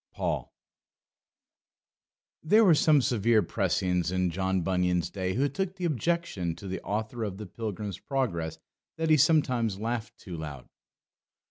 Paul. There were some severe precisians in John Bunyan's day who took the objection to the author of the Pilgrim's Progress that he sometimes laughed too loud.